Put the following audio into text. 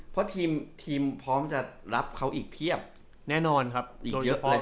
เพราะทีมพร้อมจะรับเขาอีกเพียบแน่นอนครับอีกเยอะเลย